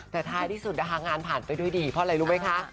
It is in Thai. แต่ท้ายที่สุดนะคะงานผ่านไปด้วยดีเพราะอะไรรู้ไหมคะ